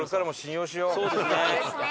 そうですね。